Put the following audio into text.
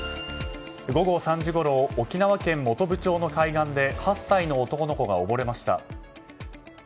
午後３時ごろ沖縄県本部町の海岸で８歳の男の子が溺れました。